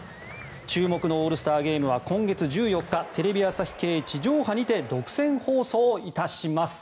注目のオールスターゲームは今月１４日テレビ朝日系地上波にて独占放送いたします。